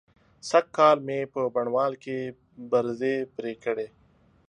سږکال مې په بڼوال کې برځې پرې کړې.